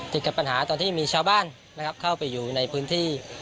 ติดกับปัญหาตอนที่มีชาวบ้านนะครับเข้าไปอยู่ในพื้นที่